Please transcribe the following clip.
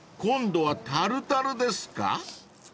［今度はタルタルですか？］